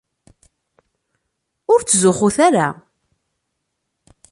Ur ttzuxxut ara!